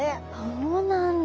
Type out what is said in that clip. そうなんだ。